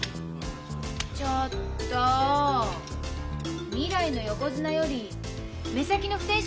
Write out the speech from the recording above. ちょっと未来の横綱より目先の不戦勝なの？